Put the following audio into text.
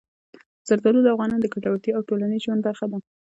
زردالو د افغانانو د ګټورتیا او ټولنیز ژوند برخه ده.